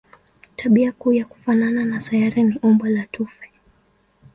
Tabia kuu ya kufanana na sayari ni umbo la tufe.